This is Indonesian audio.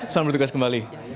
salam bertugas kembali